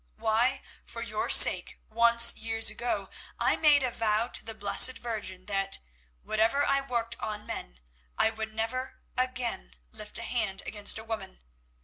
Why, for your sake, once, years ago, I made a vow to the Blessed Virgin that, whatever I worked on men, I would never again lift a hand against a woman.